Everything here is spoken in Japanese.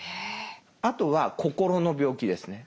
あとは心の病気ですね。